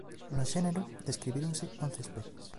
No xénero describíronse once especies.